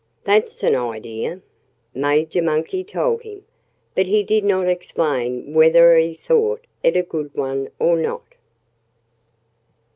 "That's an idea," Major Monkey told him. But he did not explain whether he thought it a good one or not.